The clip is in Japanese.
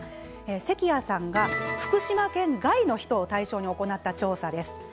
関谷さんが福島県外の人を対象に行った調査です。